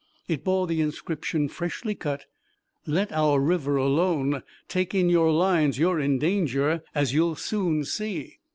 It bore the inscription, freshly cut: Let our river alone Take in your lines You're in danger, As you'll soon see.